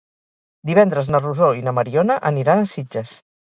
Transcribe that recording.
Divendres na Rosó i na Mariona aniran a Sitges.